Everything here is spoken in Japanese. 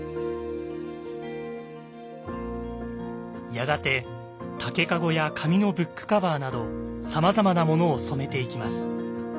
やがて竹かごや紙のブックカバーなどさまざまなものを染めていきます。